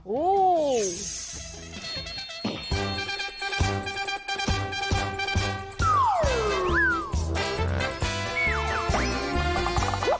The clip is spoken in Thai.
อู้วว